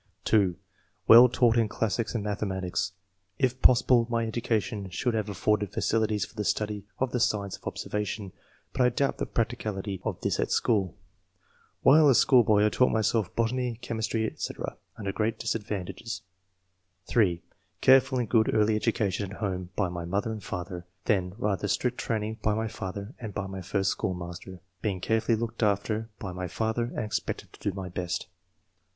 '' (2) " Well taught in classics and mathematics. If possible my education should have afforded facilities for the study of the science of observa tion, but I doubt the practicability of this at school. While a schoolboy I taught myself botany, chemistry, &c., under great dis advantages.'' (3) "Careful and good early education at home by my mother and father ; then rather strict training by my father and by my first IV.] EDUCATION. 239 schoolmaster. Being carefully looked after by my father and expected to do my best."